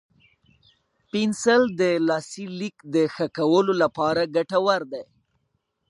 پنسل د لاسي لیک د ښه کولو لپاره ګټور دی.